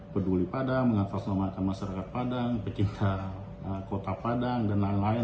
peduli pada mengatasnamakan masyarakat padang pecinta kota padang dan lain lain